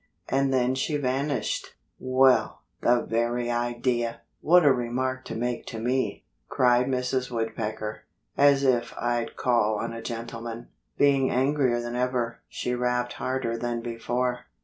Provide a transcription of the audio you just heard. And then she vanished. "Well, the very idea! What a remark to make to me!" cried Mrs. Woodpecker. "As if I'd call on a gentleman!" Being angrier than ever, she rapped harder than before.